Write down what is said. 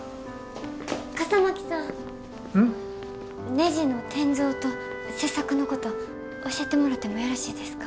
ねじの転造と切削のこと教えてもらってもよろしいですか？